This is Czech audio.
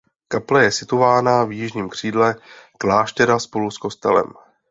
Kaple je situována v jižním křídle kláštera spolu s kostelem.